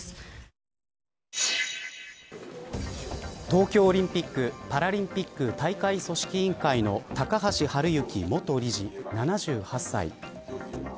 東京オリンピック・パラリンピック大会組織委員会の高橋治之元理事７８歳。